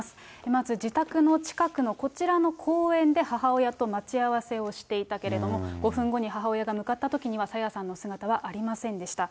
まず自宅の近くの、こちらの公園で、母親と待ち合わせをしていたけれども、５分後に母親が向かったときには、朝芽さんの姿はありませんでした。